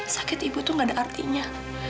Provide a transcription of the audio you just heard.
sakit ibu itu gak ada artinya